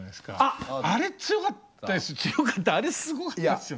あれ強かったですよ